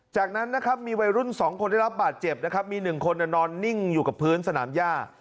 จากนั้นนะครับมีวัยรุ่น๒คนได้รับบาดเจ็บนะครับมี๑คนนอนนิ่งอยู่กับพื้นสนามย่า